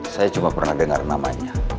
saya cuma pernah dengar namanya